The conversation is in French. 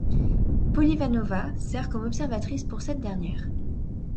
Polivanova sert comme observatrice pour cette dernière.